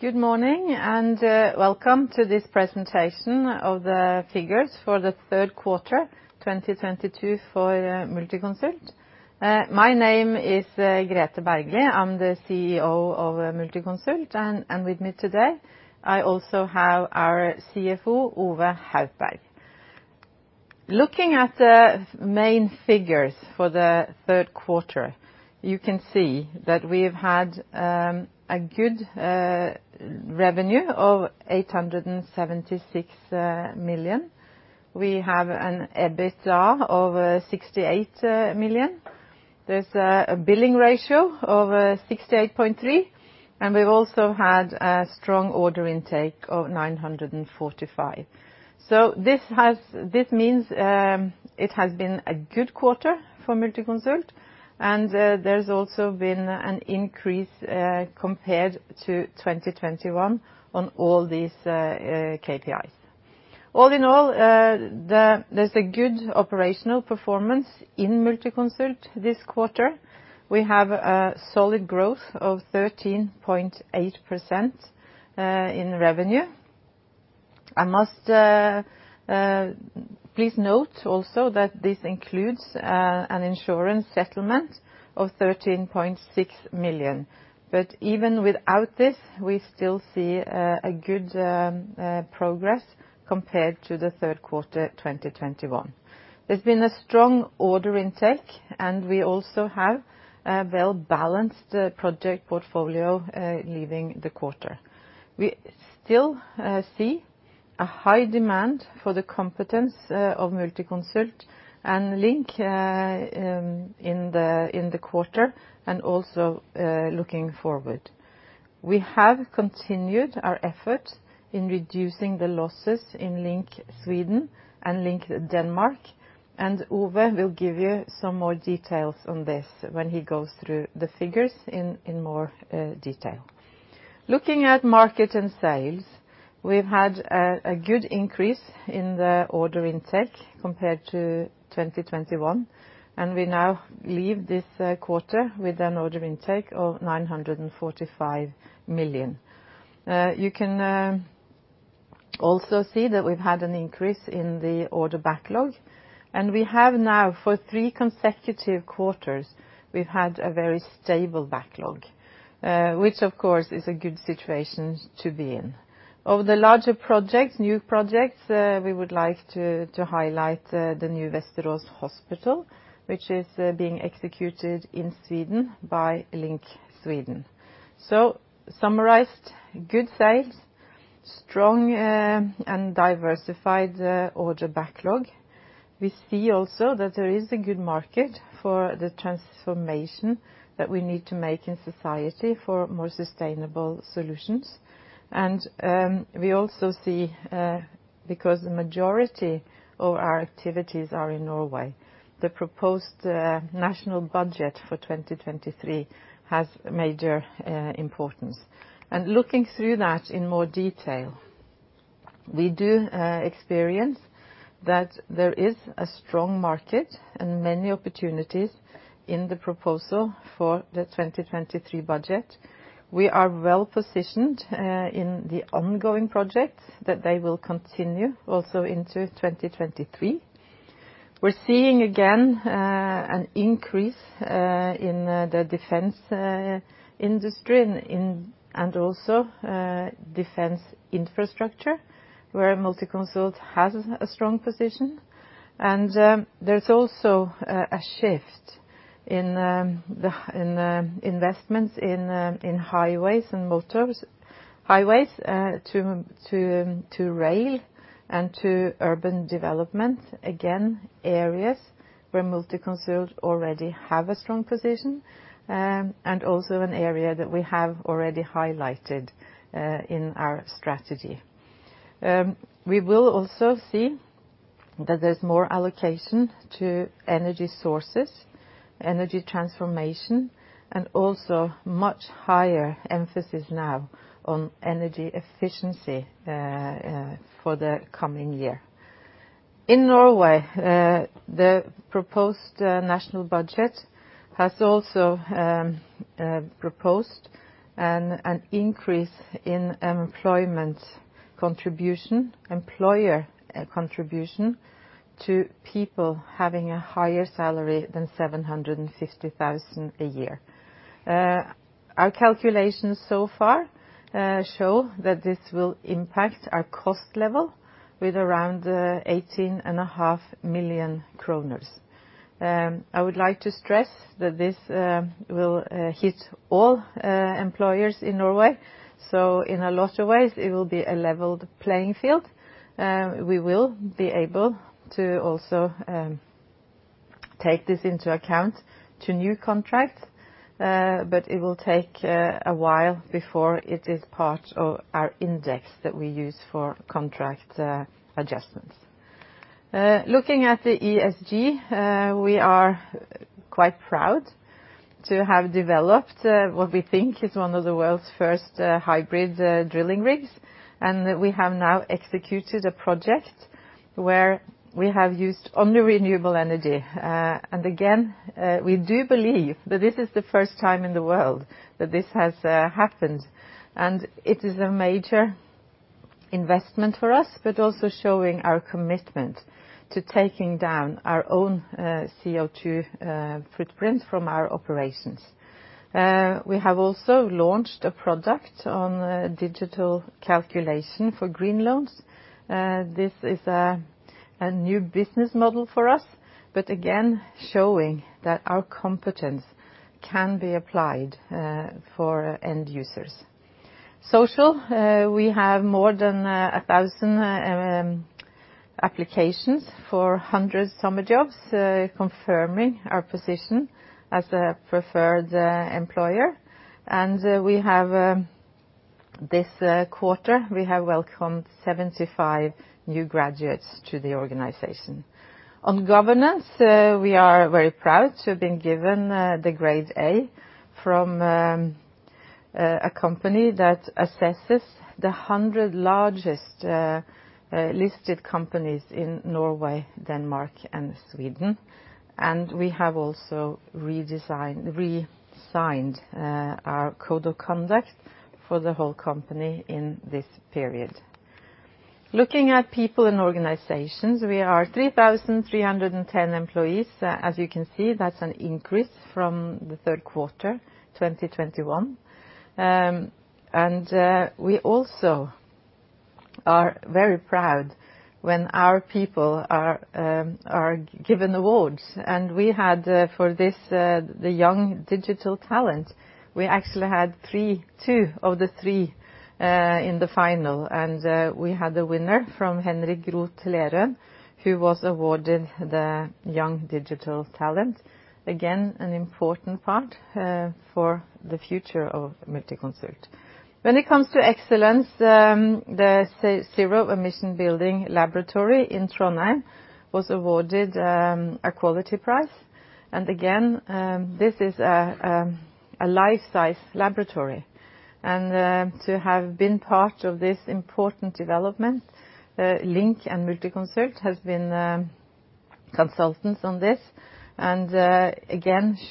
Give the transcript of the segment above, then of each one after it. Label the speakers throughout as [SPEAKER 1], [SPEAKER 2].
[SPEAKER 1] Good morning, welcome to this presentation of the figures for the third quarter 2022 for Multiconsult. My name is Grethe Bergly. I'm the CEO of Multiconsult. With me today, I also have our CFO, Ove B. Haupberg. Looking at the main figures for the third quarter, you can see that we've had a good revenue of 876 million. We have an EBITDA of 68 million. There's a billing ratio of 68.3%. We've also had a strong order intake of 945 million. This means it has been a good quarter for Multiconsult, and there's also been an increase compared to 2021 on all these KPIs. All in all, there's a good operational performance in Multiconsult this quarter. We have a solid growth of 13.8% in revenue. I must please note also that this includes an insurance settlement of 13.6 million. Even without this, we still see a good progress compared to the third quarter 2021. There's been a strong order intake, and we also have a well-balanced project portfolio leaving the quarter. We still see a high demand for the competence of Multiconsult and LINK in the quarter and also looking forward. We have continued our effort in reducing the losses in LINK Sweden and LINK Denmark, and Ove will give you some more details on this when he goes through the figures in more detail. Looking at market and sales, we've had a good increase in the order intake compared to 2021, and we now leave this quarter with an order intake of 945 million. You can also see that we've had an increase in the order backlog, and we have now for three consecutive quarters had a very stable backlog, which, of course, is a good situation to be in. Of the larger projects, new projects, we would like to highlight the new Västerås Hospital, which is being executed in Sweden by LINK Sweden. Summarized, good sales, strong and diversified order backlog. We see also that there is a good market for the transformation that we need to make in society for more sustainable solutions. We also see, because the majority of our activities are in Norway, the proposed National Budget 2023 has major importance. Looking through that in more detail, we do experience that there is a strong market and many opportunities in the proposal for the 2023 budget. We are well positioned in the ongoing projects, that they will continue also into 2023. We're seeing, again, an increase in the defense industry and also defense infrastructure, where Multiconsult has a strong position. There's also a shift in the investments in highways and motorways to rail and to urban development, again, areas where Multiconsult already have a strong position, and also an area that we have already highlighted in our strategy. We will also see that there's more allocation to energy sources, energy transformation, and also much higher emphasis now on energy efficiency for the coming year. In Norway, the proposed National Budget has also proposed an increase in employer contribution to people having a higher salary than 750,000 a year. Our calculations so far show that this will impact our cost level with around 18.5 million kroner. I would like to stress that this will hit all employers in Norway, so in a lot of ways, it will be a leveled playing field. We will be able to also take this into account to new contracts, but it will take a while before it is part of our index that we use for contract adjustments. Looking at the ESG, we are quite proud to have developed what we think is one of the world's first hybrid drilling rigs. We have now executed a project where we have used only renewable energy. We do believe that this is the first time in the world that this has happened. It is a major investment for us, but also showing our commitment to taking down our own CO2 footprint from our operations. We have also launched a product on digital calculation for green loans. This is a new business model for us, but again, showing that our competence can be applied for end users. Social, we have more than 1,000 applications for 100 summer jobs, confirming our position as a preferred employer. We have this quarter welcomed 75 new graduates to the organization. On governance, we are very proud to have been given the grade A from a company that assesses the 100 largest listed companies in Norway, Denmark, and Sweden. We have also revised our code of conduct for the whole company in this period. Looking at people and organizations, we are 3,310 employees. As you can see, that's an increase from the third quarter, 2021. We also are very proud when our people are given awards. We had for this the Young Digital Talent, we actually had two of the three in the final. We had the winner, Henrik Roth-Lerum, who was awarded the Young Digital Talent. Again, an important part for the future of Multiconsult. When it comes to excellence, the zero emission building laboratory in Trondheim was awarded a quality prize. This is a life-size laboratory. To have been part of this important development, Link and Multiconsult has been consultants on this.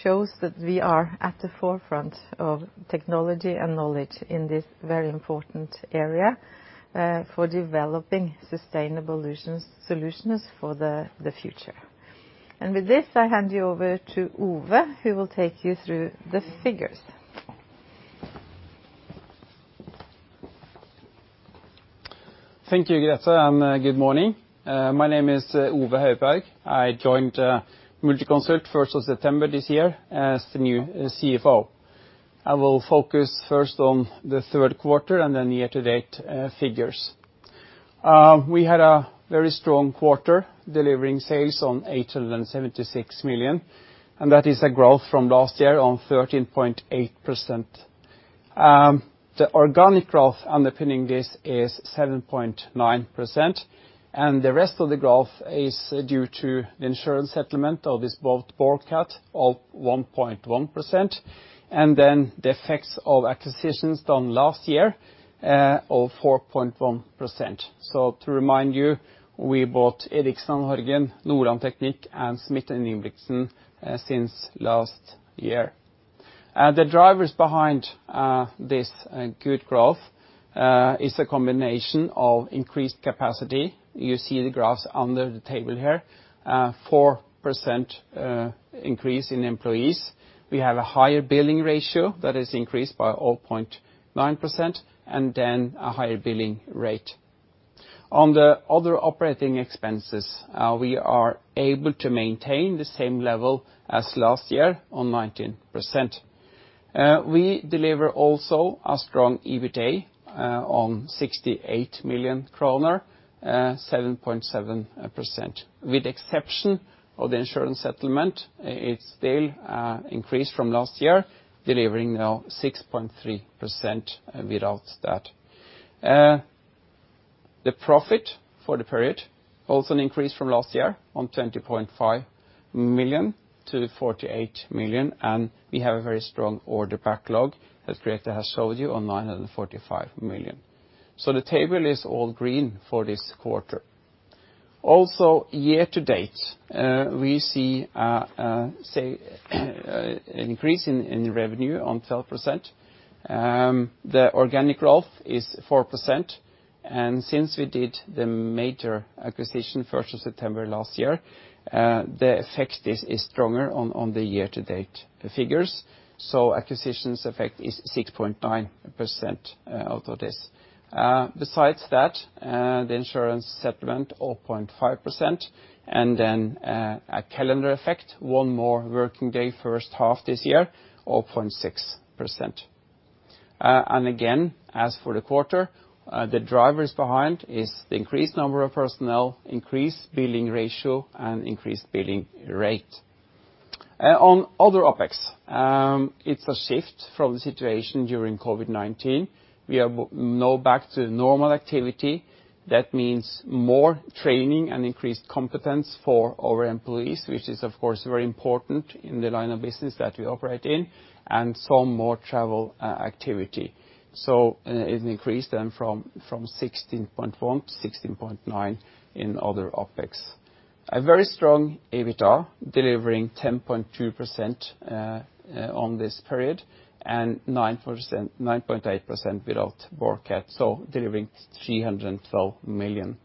[SPEAKER 1] Shows that we are at the forefront of technology and knowledge in this very important area for developing sustainable solutions for the future. With this, I hand you over to Ove, who will take you through the figures.
[SPEAKER 2] Thank you, Grethe, and good morning. My name is Ove Haupberg. I joined Multiconsult 1st of September this year as the new CFO. I will focus first on the third quarter and then year-to-date figures. We had a very strong quarter, delivering sales on 876 million, and that is a growth from last year on 13.8%. The organic growth underpinning this is 7.9%, and the rest of the growth is due to the insurance settlement of this bought Borregaard of 1.1%, and then the effects of acquisitions done last year of 4.1%. To remind you, we bought Erichsen & Horgen, Nordland Teknikk, and Smidt & Ingebrigtsen since last year. The drivers behind this good growth is a combination of increased capacity. You see the graphs under the table here, 4% increase in employees. We have a higher billing ratio that is increased by 0.9%, and then a higher billing rate. On the other operating expenses, we are able to maintain the same level as last year on 19%. We deliver also a strong EBITA on NOK 68 million, 7.7%. With exception of the insurance settlement, it's still increase from last year, delivering now 6.3% without that. The profit for the period, also an increase from last year on 20.5 million to 48 million, and we have a very strong order backlog, as Grethe has showed you, on 945 million. The table is all green for this quarter. Also, year-to-date, we see an increase in revenue on 12%. The organic growth is 4%. Since we did the major acquisition first of September last year, the effect is stronger on the year-to-date figures. Acquisitions effect is 6.9% out of this. Besides that, the insurance settlement of 0.5%, and then a calendar effect, one more working day first half this year, 0.6%. Again, as for the quarter, the drivers behind is the increased number of personnel, increased billing ratio, and increased billing rate. On other OpEx, it's a shift from the situation during COVID-19. We are now back to normal activity. That means more training and increased competence for our employees, which is, of course, very important in the line of business that we operate in, and some more travel activity. It increased then from 16.1%-16.9% in other OpEx. A very strong EBITDA, delivering 10.2% on this period, and 9%, 9.8% without Borregaard, so delivering 312 million.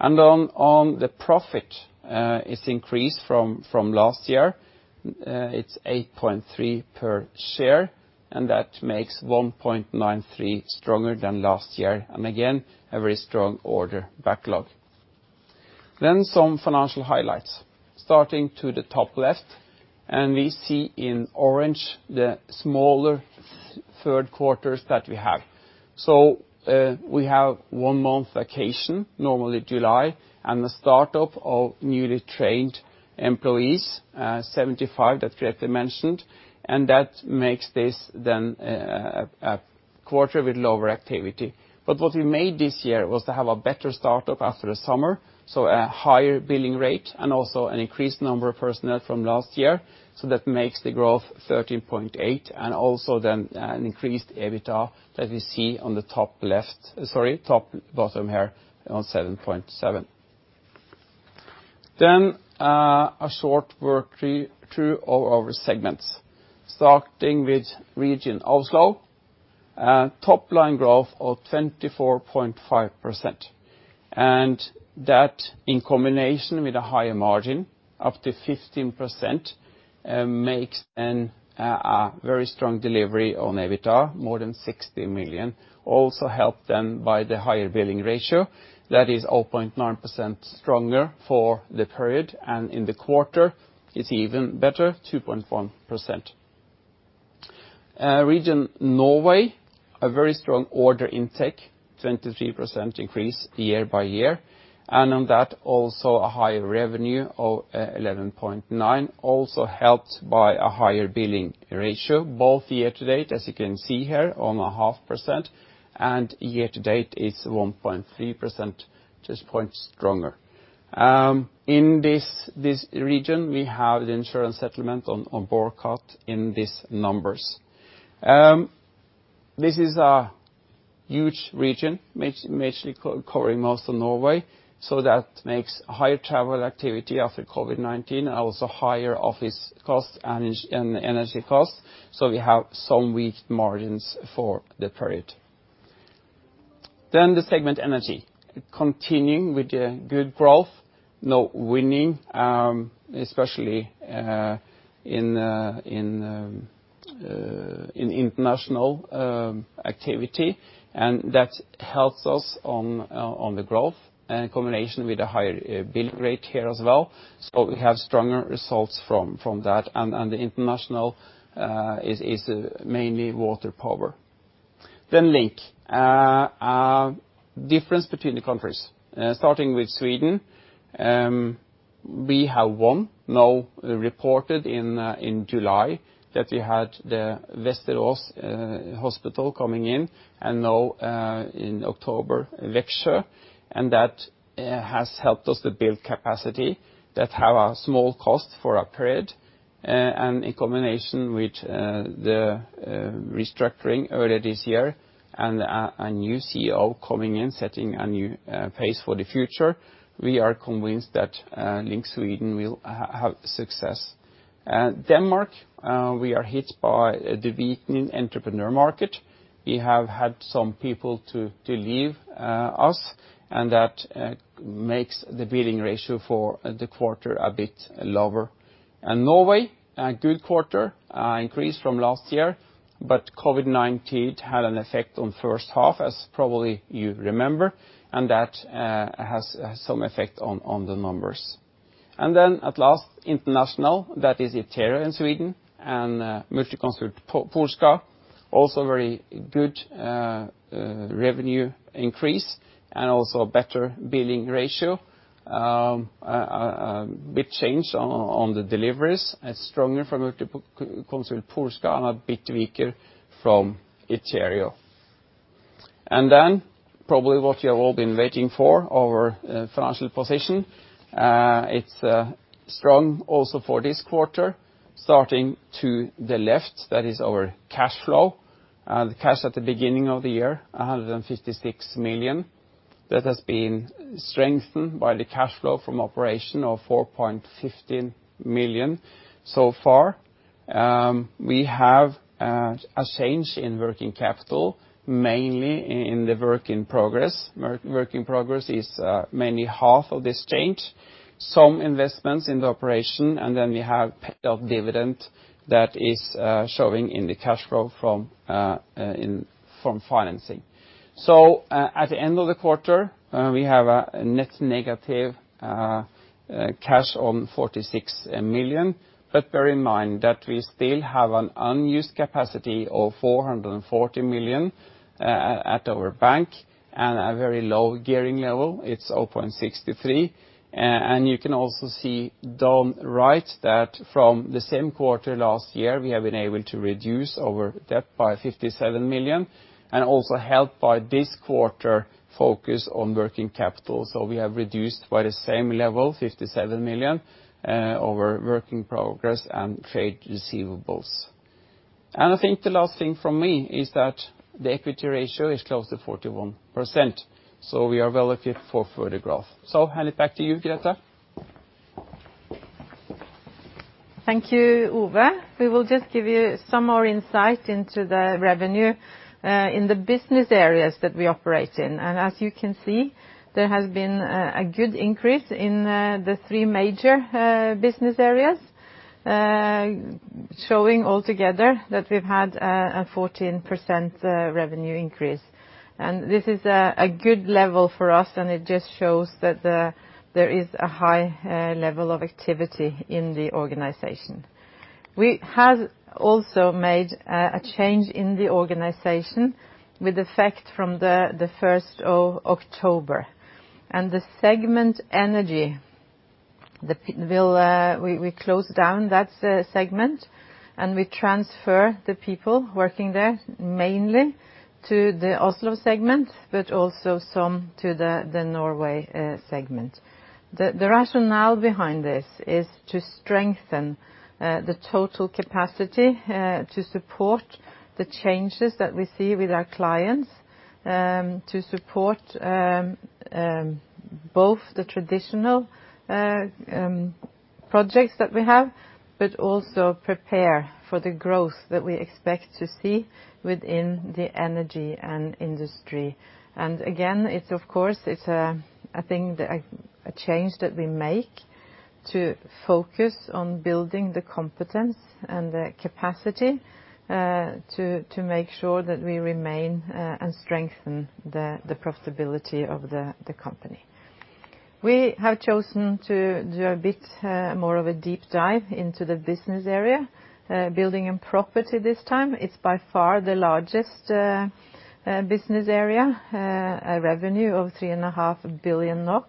[SPEAKER 2] On the profit, it's increased from last year. It's 8.3 per share, and that makes 1.93 stronger than last year. Again, a very strong order backlog. Some financial highlights. Starting to the top left, and we see in orange the smaller third quarters that we have. We have one month vacation, normally July, and the start of newly trained employees, 75 that Grethe mentioned, and that makes this then a quarter with lower activity. What we made this year was to have a better start-up after the summer, so a higher billing rate and also an increased number of personnel from last year, so that makes the growth 13.8%, and also then an increased EBITDA that we see on the top left. Sorry, top bottom here, on 7.7%. A short walk through all our segments. Starting with Region Oslo, top line growth of 24.5%. That, in combination with a higher margin, up to 15%, makes a very strong delivery on EBITDA, more than 60 million, also helped then by the higher billing ratio. That is 0.9% stronger for the period, and in the quarter it's even better, 2.1%. Region Norway, a very strong order intake, 23% year-over-year increase. On that, also a higher revenue of 11.9%, also helped by a higher billing ratio, both year-to-date, as you can see here, on 0.5%, and year-to-date it's 1.3%, just point stronger. In this region, we have the insurance settlement on Borregaard in these numbers. This is a huge region, majorly covering most of Norway, so that makes higher travel activity after COVID-19, also higher office costs and energy costs, so we have some weak margins for the period. The segment energy. Continuing with the good growth, now winning, especially in international activity, and that helps us on the growth, in combination with the higher billing rate here as well. We have stronger results from that, and the international is mainly water power. LINK. Difference between the countries. Starting with Sweden, we have won now reported in July that we had the Västerås Hospital coming in, and now in October, Växjö, and that has helped us to build capacity that have a small cost for a period. In combination with the restructuring earlier this year and a new CEO coming in, setting a new pace for the future, we are convinced that LINK Sweden will have success. Denmark, we are hit by the weakening entrepreneur market. We have had some people to leave us, and that makes the billing ratio for the quarter a bit lower. Norway, a good quarter, increase from last year, but COVID-19 had an effect on first half, as probably you remember, and that has some effect on the numbers. At last, international. That is Iterio in Sweden and Multiconsult Polska. Also very good, revenue increase and also better billing ratio. A bit change on the deliveries. Stronger from Multiconsult Polska and a bit weaker from Iterio. Probably what you have all been waiting for, our financial position. It's strong also for this quarter. Starting to the left, that is our cash flow. The cash at the beginning of the year, 156 million. That has been strengthened by the cash flow from operation of 4.15 million so far. We have a change in working capital, mainly in the work in progress. Work in progress is mainly half of this change. Some investments in operations, and then we have paid dividend that is showing in the cash flow from financing. At the end of the quarter, we have a net negative cash of 46 million. Bear in mind that we still have an unused capacity of 440 million at our bank and a very low gearing level. It's 0.63. You can also see down right that from the same quarter last year, we have been able to reduce our debt by 57 million, and also helped by this quarter focus on working capital. We have reduced by the same level, 57 million, our work in progress and trade receivables. I think the last thing from me is that the equity ratio is close to 41%, so we are well equipped for further growth. Hand it back to you, Grethe.
[SPEAKER 1] Thank you, Ove. We will just give you some more insight into the revenue in the business areas that we operate in. As you can see, there has been a good increase in the three major business areas, showing altogether that we've had a 14% revenue increase. This is a good level for us, and it just shows that there is a high level of activity in the organization. We have also made a change in the organization with effect from the first of October. The energy segment. We close down that segment, and we transfer the people working there mainly to the Oslo segment, but also some to the Norway segment. The rationale behind this is to strengthen the total capacity to support the changes that we see with our clients, to support both the traditional projects that we have, but also prepare for the growth that we expect to see within the energy and industry. It's of course a change that we make to focus on building the competence and the capacity to make sure that we remain and strengthen the profitability of the company. We have chosen to do a bit more of a deep dive into the business area, building and property this time. It's by far the largest business area, a revenue of 3.5 billion NOK.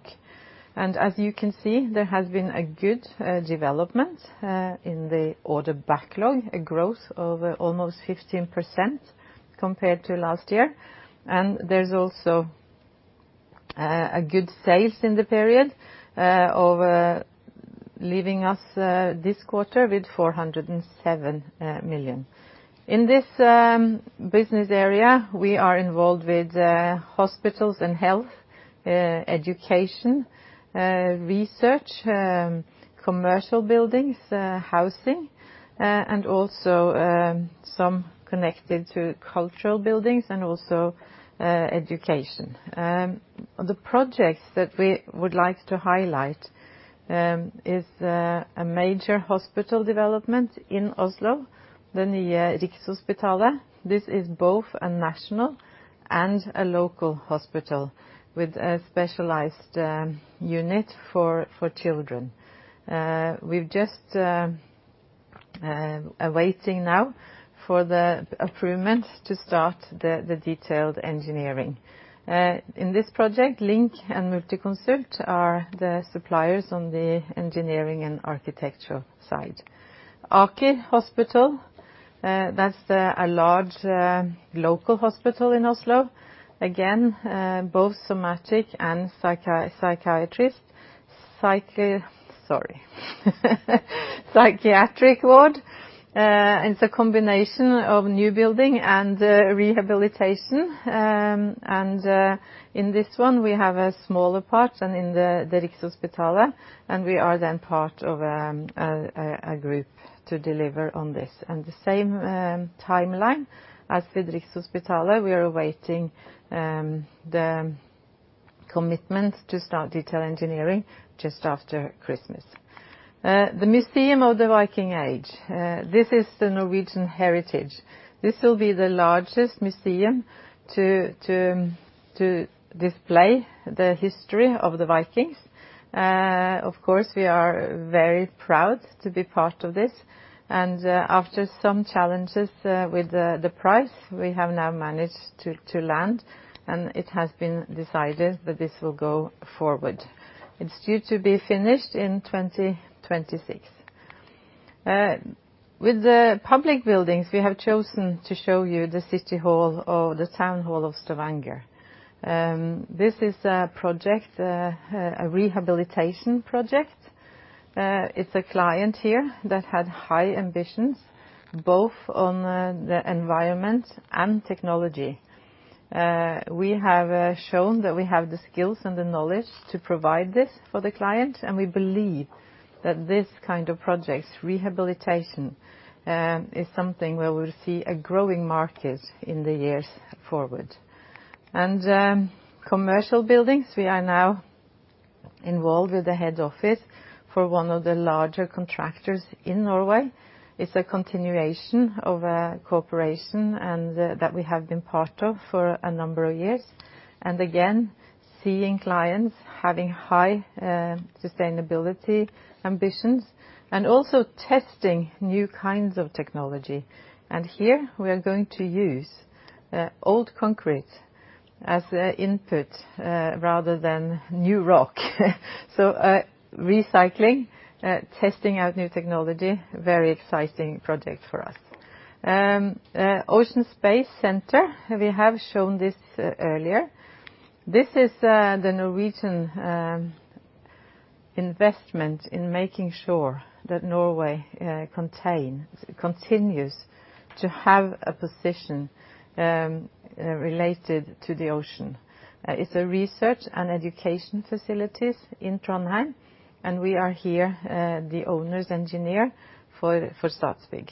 [SPEAKER 1] As you can see, there has been a good development in the order backlog, a growth of almost 15% compared to last year. There's also a good sales in the period leaving us this quarter with 407 million. In this business area, we are involved with hospitals and health, education, research, commercial buildings, housing, and also some connected to cultural buildings and also education. The projects that we would like to highlight is a major hospital development in Oslo, the Nye Rikshospitalet. This is both a national and a local hospital with a specialized unit for children. We are waiting now for the approval to start the detailed engineering. In this project, LINK and Multiconsult are the suppliers on the engineering and architectural side. Aker Hospital, that's a large local hospital in Oslo. Again, both somatic and psychiatric ward. It's a combination of new building and rehabilitation. In this one, we have a smaller part than in the Rikshospitalet, and we are then part of a group to deliver on this. The same timeline as the Rikshospitalet, we are awaiting the commitment to start detail engineering just after Christmas. The Museum of the Viking Age, this is the Norwegian heritage. This will be the largest museum to display the history of the Vikings. Of course, we are very proud to be part of this. After some challenges with the price, we have now managed to land, and it has been decided that this will go forward. It's due to be finished in 2026. With the public buildings, we have chosen to show you the city hall or the town hall of Stavanger. This is a project, a rehabilitation project. It's a client here that had high ambitions, both on the environment and technology. We have shown that we have the skills and the knowledge to provide this for the client, and we believe that this kind of projects, rehabilitation, is something where we'll see a growing market in the years forward. Commercial buildings, we are now involved with the head office for one of the larger contractors in Norway. It's a continuation of a cooperation and that we have been part of for a number of years. Again, seeing clients having high sustainability ambitions and also testing new kinds of technology. Here we are going to use old concrete as an input rather than new rock. Recycling, testing out new technology, very exciting project for us. Ocean Space Centre, we have shown this earlier. This is the Norwegian investment in making sure that Norway continues to have a position related to the ocean. It's a research and education facilities in Trondheim, and we are here the owner's engineer for Statsbygg.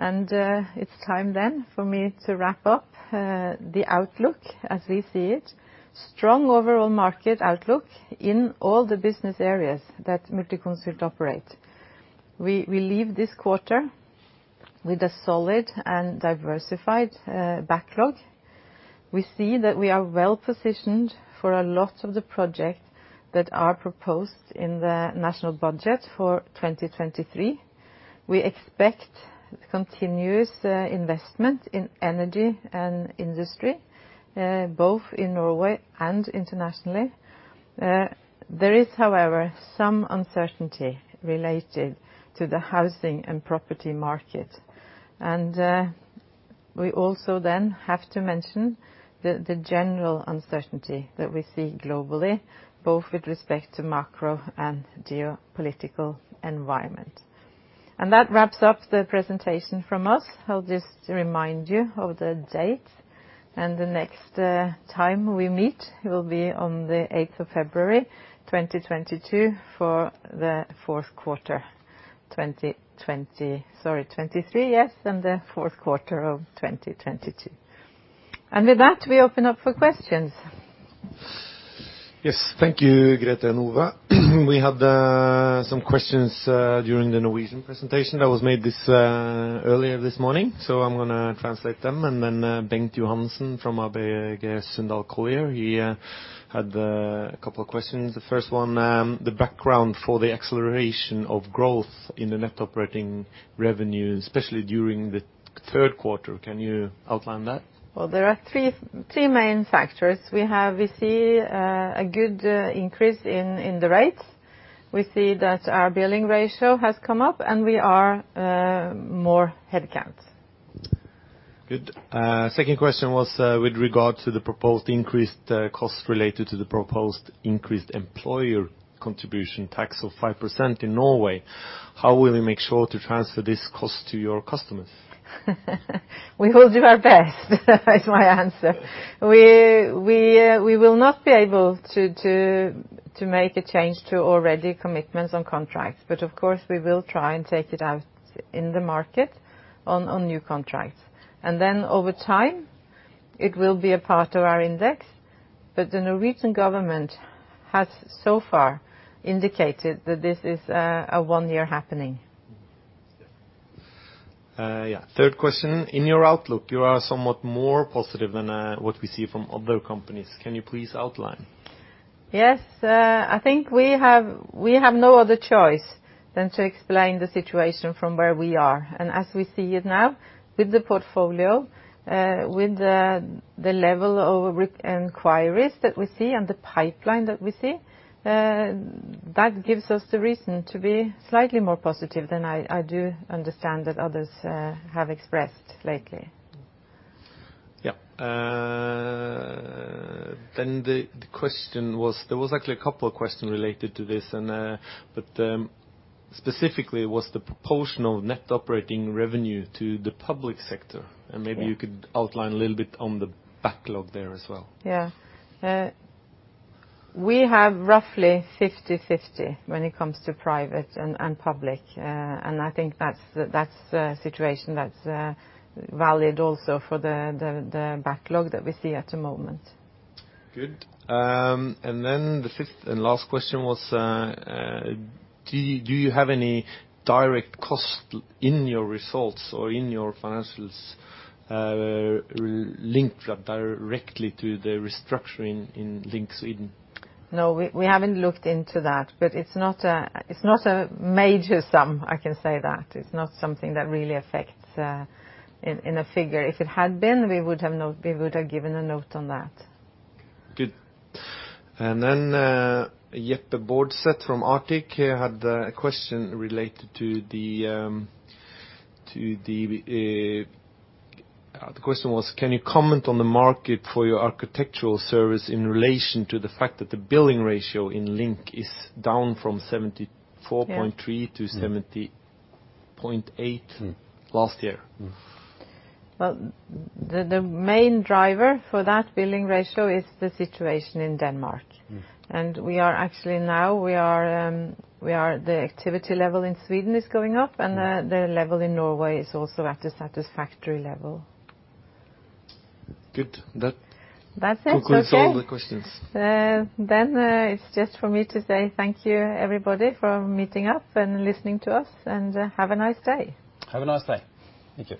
[SPEAKER 1] It's time then for me to wrap up the outlook as we see it. Strong overall market outlook in all the business areas that Multiconsult operate. We leave this quarter with a solid and diversified backlog. We see that we are well-positioned for a lot of the projects that are proposed in the National Budget 2023. We expect continuous investment in energy and industry both in Norway and internationally. There is, however, some uncertainty related to the housing and property market. We also then have to mention the general uncertainty that we see globally, both with respect to macro and geopolitical environment. That wraps up the presentation from us. I'll just remind you of the date and the next time we meet will be on the 8th of February 2023 for the fourth quarter of 2022. With that, we open up for questions.
[SPEAKER 3] Yes. Thank you, Grethe and Ove. We had some questions during the Norwegian presentation that was made this earlier this morning, so I'm gonna translate them. Bengt Johansen from ABG Sundal Collier, he had a couple of questions. The first one, the background for the acceleration of growth in the net operating revenue, especially during the third quarter. Can you outline that?
[SPEAKER 1] Well, there are three main factors. We see a good increase in the rates. We see that our billing ratio has come up, and more headcounts.
[SPEAKER 3] Good. Second question was, with regard to the proposed increased costs related to the employer contribution tax of 5% in Norway. How will you make sure to transfer this cost to your customers?
[SPEAKER 1] We will do our best is my answer. We will not be able to make a change to existing commitments on contracts. Of course, we will try and take it out in the market on new contracts. Then over time, it will be a part of our index, but the Norwegian government has so far indicated that this is a one-year happening.
[SPEAKER 3] Yeah. Third question, in your outlook, you are somewhat more positive than what we see from other companies. Can you please outline?
[SPEAKER 1] Yes. I think we have no other choice than to explain the situation from where we are. As we see it now with the portfolio, with the level of re-inquiries that we see and the pipeline that we see, that gives us the reason to be slightly more positive than I do understand that others have expressed lately.
[SPEAKER 3] Yeah. The question was. There was actually a couple of questions related to this and, but, specifically was the proportional net operating revenue to the public sector.
[SPEAKER 1] Yeah.
[SPEAKER 3] Maybe you could outline a little bit on the backlog there as well.
[SPEAKER 1] Yeah, we have roughly 50/50 when it comes to private and public. I think that's a situation that's valid also for the backlog that we see at the moment.
[SPEAKER 3] Good. The fifth and last question was, do you have any direct cost in your results or in your financials, linked directly to the restructuring in LINK Sweden?
[SPEAKER 1] No, we haven't looked into that. It's not a major sum, I can say that. It's not something that really affects in a figure. If it had been, we would have given a note on that.
[SPEAKER 3] Good. Jørgen O. Bordseth from Arctic Securities, he had a question related to the. The question was, can you comment on the market for your architectural service in relation to the fact that the billing ratio in LINK is down from 74.3%-
[SPEAKER 1] Yeah.
[SPEAKER 3] to 70.8 last year?
[SPEAKER 1] Well, the main driver for that billing ratio is the situation in Denmark.
[SPEAKER 3] Mm.
[SPEAKER 1] The activity level in Sweden is going up, and the level in Norway is also at a satisfactory level.
[SPEAKER 3] Good.
[SPEAKER 1] That's it. Okay.
[SPEAKER 3] concludes all the questions.
[SPEAKER 1] It's just for me to say thank you, everybody, for meeting up and listening to us, and have a nice day.
[SPEAKER 3] Have a nice day. Thank you.